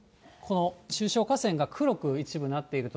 中小河川が黒く一部なっている所。